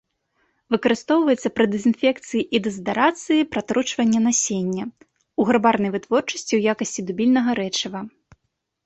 Выкарыстоўваецца пры дэзінфекцыі і дэзадарацыі, пратручвання насення, у гарбарнай вытворчасці ў якасці дубільнага рэчыва.